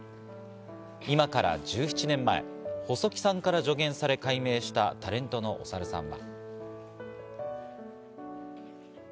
今から１７年前、細木さんから助言され改名したタレントのおさるさんは。